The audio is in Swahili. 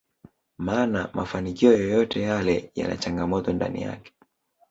maana mafanikio yoyote yale yana changamoto ndani yake